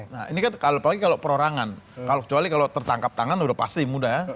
nah ini kan apalagi kalau perorangan kecuali kalau tertangkap tangan sudah pasti mudah ya